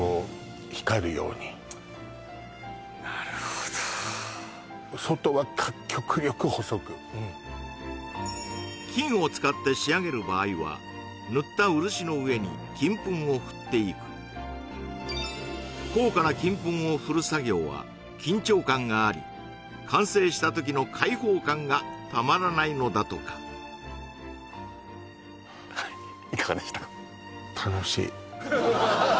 光るようになるほど外は極力細く金を使って仕上げる場合は塗った漆の上に金粉を振っていく高価な金粉を振る作業は緊張感があり完成した時の解放感がたまらないのだとかはあいかがでしたか？